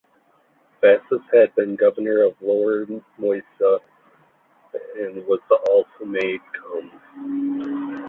Bassus had been Governor of Lower Moesia, and was also made "comes".